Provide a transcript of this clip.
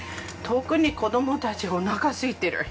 特に子供たちおなかすいてる。